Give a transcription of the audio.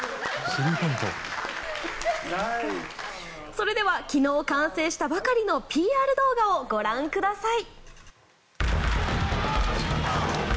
それでは昨日完成したばかりのＰＲ動画をご覧ください。